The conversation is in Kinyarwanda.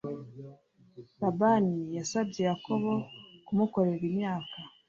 Labani yasabye Yakobo kumukorera imyaka